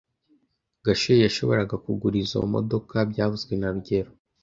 Gashuhe yashoboraga kugura izoi modoka byavuzwe na rugero